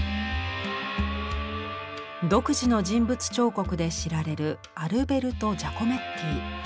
独自の人物彫刻で知られるアルベルト・ジャコメッティ。